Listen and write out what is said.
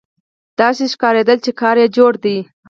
داسې ښکارېدله چې کار یې جوړ دی.